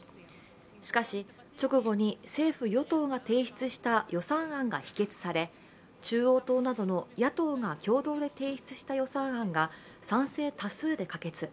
しかし、直後に政府・与党が提出した予算案が否決され中央党などの野党が共同で提出した予算案が賛成多数で可決。